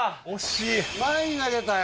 前に投げたよ！